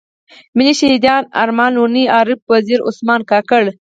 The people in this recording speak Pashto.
ملي شهيدان ارمان لوڼی، عارف وزير، عثمان کاکړ.